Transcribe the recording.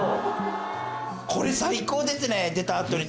これ最高ですね！